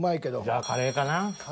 じゃあカレーかな。